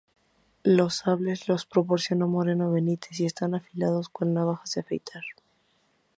Los sables los proporcionó Moreno Benítez y estaban afilados cual navajas de afeitar.